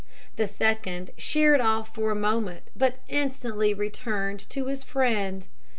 The second sheered off for a moment, but instantly returned to his friend.